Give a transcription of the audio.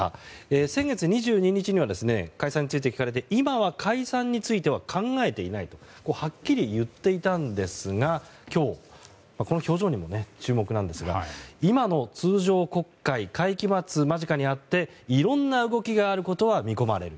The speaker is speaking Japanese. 先月２２日には解散について聞かれて今は解散について考えていないとはっきり言っていたんですが今日この表情にも注目なんですが今の通常国会会期末間近にあっていろんな動きがあることは見込まれる。